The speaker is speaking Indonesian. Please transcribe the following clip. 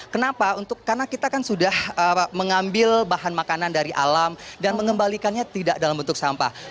kenapa karena kita kan sudah mengambil bahan makanan dari alam dan mengembalikannya tidak dalam bentuk sampah